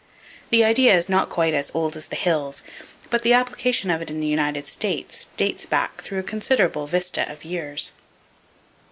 The idea is not quite as "old as the hills," but the application of it in the United States dates back through a considerable vista of years.